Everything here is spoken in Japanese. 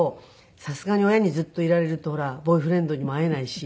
さすがに親にずっといられるとほらボーイフレンドにも会えないし。